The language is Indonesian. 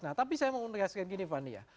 nah tapi saya mau menegaskan gini fanny ya